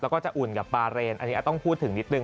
แล้วก็จะอุ่นกับบาเรนอันนี้ต้องพูดถึงนิดนึ